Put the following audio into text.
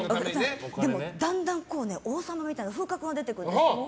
でも、だんだん王様の風格が出てくるんです。